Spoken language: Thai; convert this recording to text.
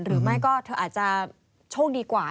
หรือไม่ก็เธออาจจะโชคดีกว่า